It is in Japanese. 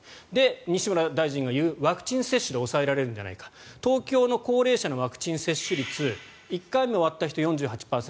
西村大臣が言うワクチン接種で抑えられるんじゃないか東京の高齢者のワクチン接種率１回目終わった人４８％